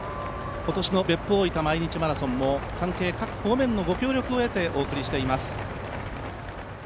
今年の別府大分毎日マラソンも関係各方面のご協力を得てお送りしています。